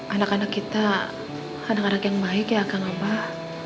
anak anak kita anak anak yang baik ya kang abah